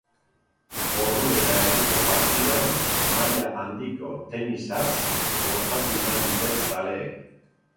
Ordu eta erdiko partidan maila handiko tenisaz gozatu izan dute zaleek.